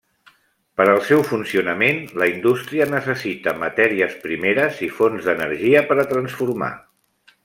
Per al seu funcionament, la indústria necessita matèries primeres i fonts d'energia per a transformar.